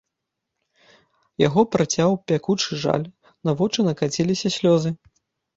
Яго працяў пякучы жаль, на вочы накаціліся слёзы.